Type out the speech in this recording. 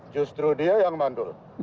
justru dia yang mandul